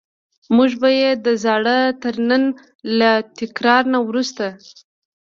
موږ به یې د زاړه ترننی له تکرار نه وروسته.